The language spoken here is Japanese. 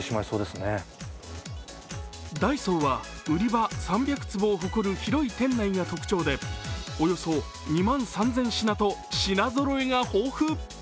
ＤＡＩＳＯは売り場３００坪を誇る広い店内が特徴でおよそ２万３０００品と品ぞろえが豊富